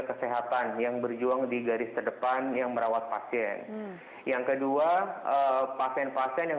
kesehatan yang berjuang di garis terdepan yang merawat pasien yang kedua pasien pasien yang